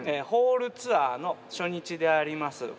ホールツアーの初日であります